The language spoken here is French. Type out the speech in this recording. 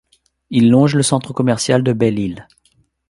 Il longe le centre commercial de Belle-Île.